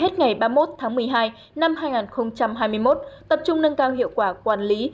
hết ngày ba mươi một tháng một mươi hai năm hai nghìn hai mươi một tập trung nâng cao hiệu quả quản lý